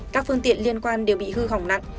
các phương tiện liên quan đều bị hư hỏng nặng